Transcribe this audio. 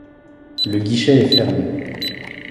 Le guichet est fermé.